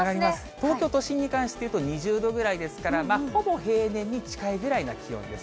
東京都心に関していうと、２０度ぐらいですから、ほぼ平年に近いぐらいの気温です。